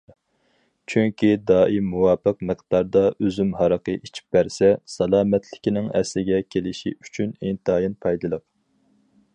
چۈنكى دائىم مۇۋاپىق مىقداردا ئۈزۈم ھارىقى ئىچىپ بەرسە، سالامەتلىكىنىڭ ئەسلىگە كېلىشى ئۈچۈن ئىنتايىن پايدىلىق.